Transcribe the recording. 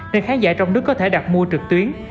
nên khán giả trong nước có thể đặt mua trực tuyến